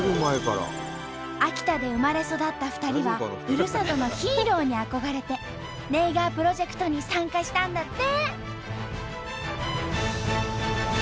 秋田で生まれ育った２人はふるさとのヒーローに憧れてネイガープロジェクトに参加したんだって！